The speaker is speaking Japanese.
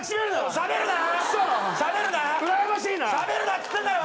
しゃべるなっつってんだろ。